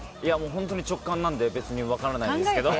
本当に直感なので別に分からないですけど。